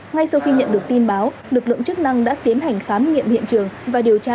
ngay sau khi nhận được tin báo lực lượng chức năng đã tiến hành khám nghiệm hiện trường và điều tra